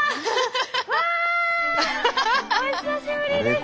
うわ！お久しぶりです。